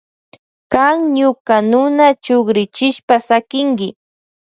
Kan ñuka nuna chukrichishpa sakinki.